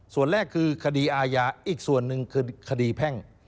ส่วนแรกคือคดีอาญาอีกส่วนหนึ่งคือคดีแพ่ง